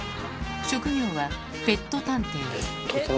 職業はペット探偵。